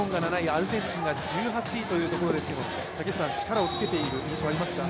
アルゼンチンが１８位というところですけど力をつけている印象ありますか？